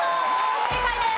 正解です！